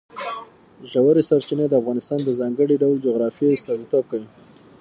ژورې سرچینې د افغانستان د ځانګړي ډول جغرافیه استازیتوب کوي.